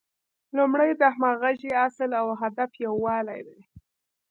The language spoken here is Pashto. لومړی د همغږۍ اصل او د هدف یووالی دی.